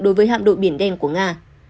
đối với hạm đội biển đen của nga